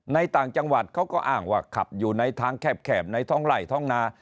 ต่างจังหวัดเขาก็อ้างว่าขับอยู่ในทางแคบในท้องไล่ท้องนา